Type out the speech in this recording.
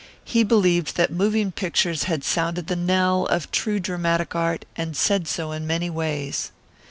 He believed that moving pictures had sounded the knell of true dramatic art and said so in many ways.